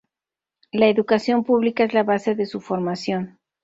La educación pública es la base de su formación.